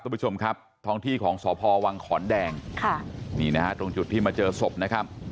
คุณผู้ชมครับท้องที่ของสพวังขอนแดงค่ะนี่นะฮะตรงจุดที่มาเจอศพนะครับ